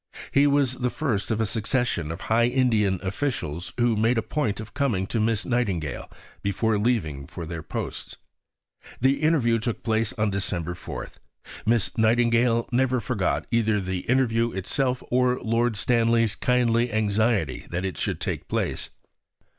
He was the first of a succession of high Indian officials who made a point of coming to Miss Nightingale before leaving for their posts. The interview took place on December 4. Miss Nightingale never forgot either the interview itself or Lord Stanley's kindly anxiety that it should take place.